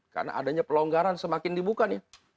karena adanya pelonggaran semakin dibuka nih